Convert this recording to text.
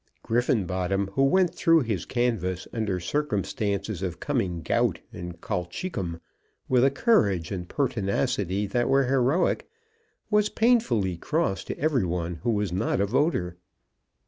Griffenbottom, who went through his canvass under circumstances of coming gout and colchicum with a courage and pertinacity that were heroic, was painfully cross to every one who was not a voter.